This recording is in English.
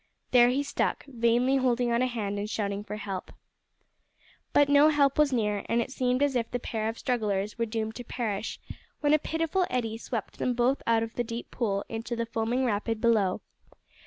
There he stuck, vainly holding out a hand and shouting for help. But no help was near, and it seemed as if the pair of strugglers were doomed to perish when a pitiful eddy swept them both out of the deep pool into the foaming rapid below.